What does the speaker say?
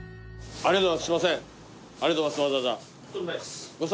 ありがとうございます。